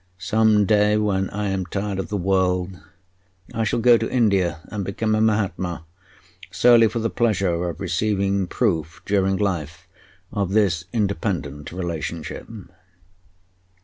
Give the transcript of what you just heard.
Some day, when I am tired of the world, I shall go to India and become a mahatma, solely for the pleasure of receiving proof during life of this independent relationship."